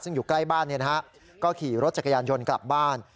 ซึ่งอยู่ใกล้บ้านก็ขี่รถจักรยานยนต์กลับบ้าน